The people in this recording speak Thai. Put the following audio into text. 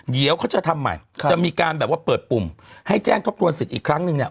เดี๋ยวเขาจะทำใหม่จะมีการแบบว่าเปิดปุ่มให้แจ้งทบทวนสิทธิ์อีกครั้งนึงเนี่ย